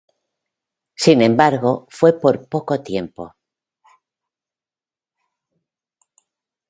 Sin embargo, fue por poco tiempo.